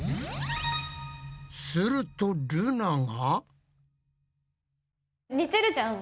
するとルナが。